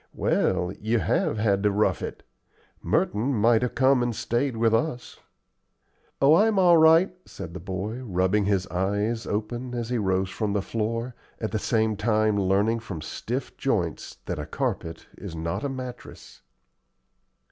Well, you HAVE had to rough it. Merton might have come and stayed with us." "Oh, I'm all right," said the boy, rubbing his eyes open as he rose from the floor, at the same time learning from stiff joints that a carpet is not a mattress.